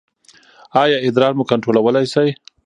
ایا ادرار مو کنټرولولی شئ؟